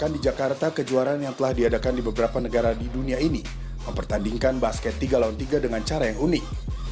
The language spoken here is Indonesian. di jakarta kejuaraan yang telah diadakan di beberapa negara di dunia ini mempertandingkan basket tiga lawan tiga dengan cara yang unik